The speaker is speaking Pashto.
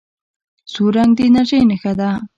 سور رنګ د انرژۍ نښه ده.